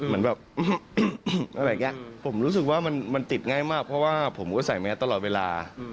มันแบบผมรู้สึกว่ามันติดง่ายมากเพราะว่าผมก็ใส่แม้ตลอดเวลา